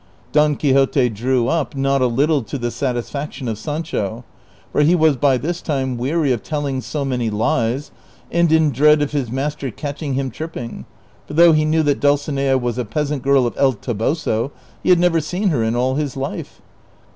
Don Quixote drew up, not a little to the satisfaction of Sancho, for he was by this time weary of telling so many lies, and in dread of his master catching him tripping, for though he knew that Dulcinea was a peasant girl of El Toboso, he had never seen her in all his life.